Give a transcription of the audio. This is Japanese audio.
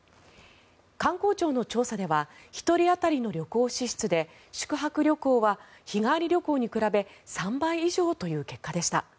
観光庁の調査では１人当たりの旅行支出で宿泊旅行は日帰り旅行に比べ３倍以上という結果でした。